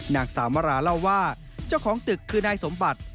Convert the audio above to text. นางสาวมราเล่าว่าเจ้าของตึกคือนายสมบัติ